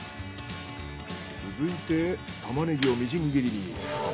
続いてタマネギをみじん切りに。